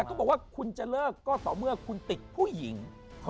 เขาบอกว่าคุณจะเลิกก็ต่อเมื่อคุณติดผู้หญิง